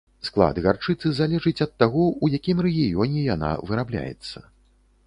Склад гарчыцы залежыць ад таго, у якім рэгіёне яна вырабляецца.